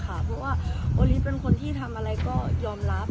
เพราะว่าโอลิฟเป็นคนที่ทำอะไรก็ยอมรับ